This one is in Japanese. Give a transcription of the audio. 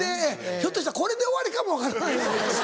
ひょっとしたらこれで終わりかも分からない。